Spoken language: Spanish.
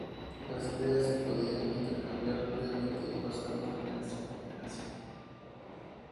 Las ideas se podían intercambiar rápidamente y pasaron de generación en generación.